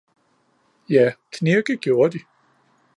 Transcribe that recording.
Ja knirke gjorde de